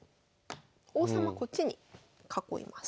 王様こっちに囲います。